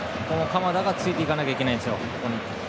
鎌田がついていかないといけないんです。